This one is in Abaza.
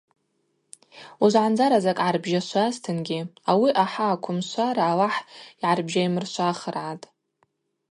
Уыжвгӏандзара закӏ гӏарбжьашвазтынгьи – ауи ахӏа аквымшвара Алахӏ йгӏарбжьаймыршвахыргӏатӏ.